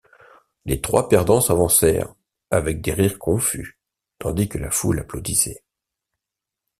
Les trois perdants s’avancèrent, avec des rires confus, tandis que la foule applaudissait.